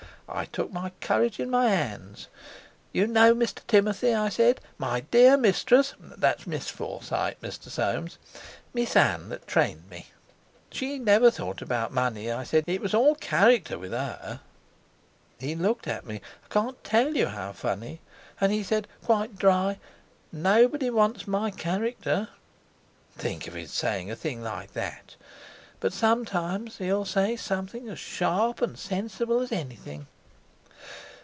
I took my courage in my 'ands. 'You know, Mr. Timothy,' I said, 'my dear mistress'—that's Miss Forsyte, Mr. Soames, Miss Ann that trained me—'she never thought about money,' I said, 'it was all character with her.' He looked at me, I can't tell you how funny, and he said quite dry: 'Nobody wants my character.' Think of his saying a thing like that! But sometimes he'll say something as sharp and sensible as anything."